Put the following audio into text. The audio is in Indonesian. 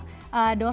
jika terlalu banyak